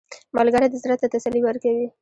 ملګری د زړه ته تسلي ورکوي